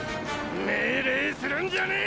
命令するんじゃねえ！！